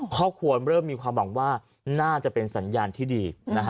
ครอบครัวเริ่มมีความหวังว่าน่าจะเป็นสัญญาณที่ดี